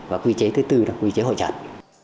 và quy chế thứ bốn là quy chế hội trận